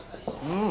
うん！